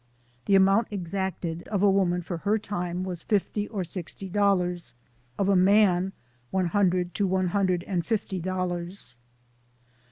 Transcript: The amount exacted of a woman for her time was fifty or sixty dollars, of a man, one hundred to one hundred and fifty dollars.